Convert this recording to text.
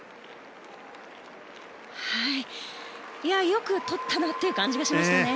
よく取ったなという感じがしましたね。